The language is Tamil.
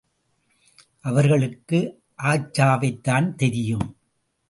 அவர்களுக்கு ஆச்சாவைத்தான் தெரியும்.